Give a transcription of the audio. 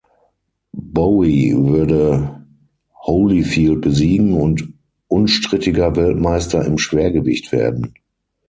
Bowe würde Holyfield besiegen und unstrittiger Weltmeister im Schwergewicht werden.